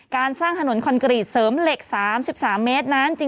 การสร้างถนนคอนกรีตเสริมเหล็ก๓๓เมตรนั้น